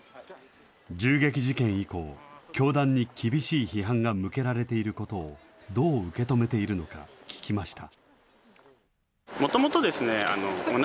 銃撃事件以降、教団に厳しい批判が向けられていることをどう受け止めているのか聞きました。